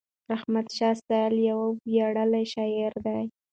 رحمت شاه سایل یو ویاړلی شاعر دی.